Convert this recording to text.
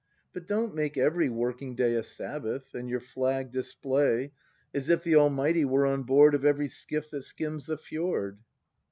But don't make every working day A Sabbath, and your flag display. As if the Almighty were on board Of every skiff that skims the fjord.